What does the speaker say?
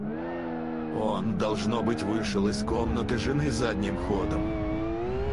Он, должно быть, вышел из комнаты жены задним ходом.